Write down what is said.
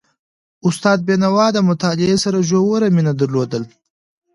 استاد بينوا د مطالعې سره ژوره مینه درلودله.